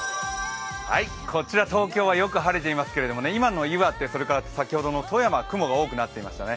こちら東京はよく晴れていますけれども今の岩手、先ほどの富山、雲が多くなっていましたね。